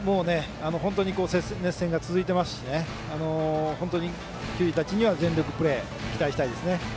本当に熱戦が続いていますし球児たちには全力プレーを期待したいですね。